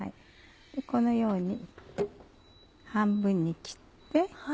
このように半分に切って。